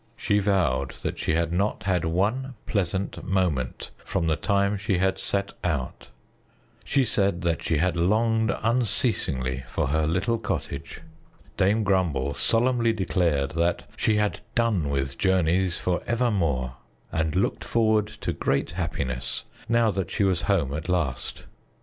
She vowed she had not had one pleasant moment from the time she had set out; she said that she had longed unceasingly for her little cottage. Dame Grumble solemnly declared that she had done with journeys forevermore and looked forward to great happiness, now that she was home at last.